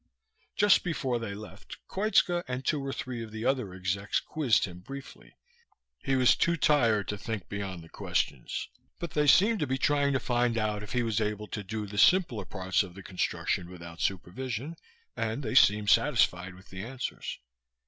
Just before they left Koitska and two or three of the other execs quizzed him briefly. He was too tired to think beyond the questions, but they seemed to be trying to find out if he was able to do the simpler parts of the construction without supervision, and they seemed satisfied with the answers.